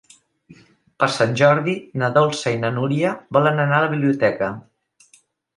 Per Sant Jordi na Dolça i na Núria volen anar a la biblioteca.